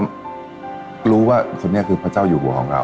ก็รู้ว่าคนนี้คือพระเจ้าอยู่หัวของเรา